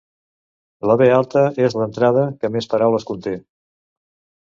La be alta és l'entrada que més paraules conté.